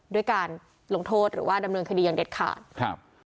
ด้วยการลงโทษหรือว่าดำเนินคดีอย่างเด็ดขาดครับ